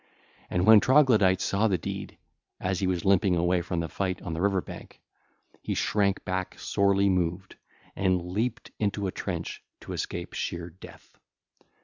And when Troglodyte saw the deed, as he was limping away from the fight on the river bank, he shrank back sorely moved, and leaped into a trench to escape sheer death.